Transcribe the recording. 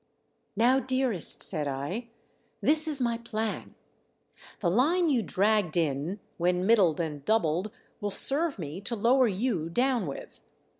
" Now, dearest," said I, " this is my plan : the line you dragged in, when middled and doubled, will serve me to lower you down with.